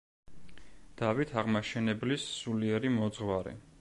დავით აღმაშენებლის სულიერი მოძღვარი.